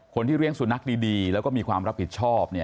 คนที่เลี้ยงสุนัขดีแล้วก็มีความรับผิดชอบ